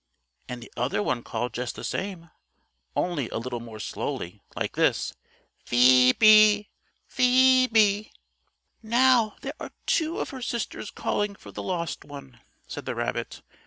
And the other one called just the same, only a little more slowly, like this: "Phoe be! Phoe be!" "Now, there are two of her sisters calling for the lost one," said the rabbit.